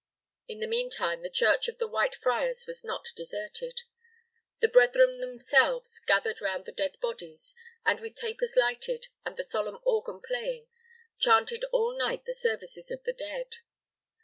In the mean time, the church of the White Friars was not deserted. The brethren themselves gathered around the dead bodies, and, with tapers lighted, and the solemn organ playing, chanted all night the services of the dead.